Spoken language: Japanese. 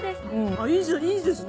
あっいいですね